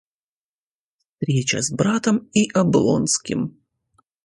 Встреча с братом и Облонским.